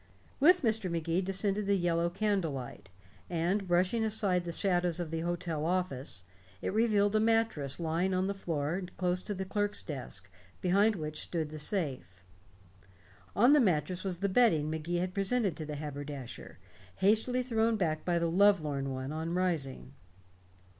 With Mr. Magee descended the yellow candlelight, and brushing aside the shadows of the hotel office, it revealed a mattress lying on the floor close to the clerk's desk, behind which stood the safe. On the mattress was the bedding Magee had presented to the haberdasher, hastily thrown back by the lovelorn one on rising.